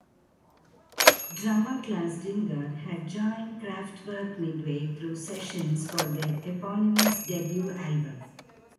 Drummer Klaus Dinger had joined Kraftwerk midway through sessions for their eponymous debut album.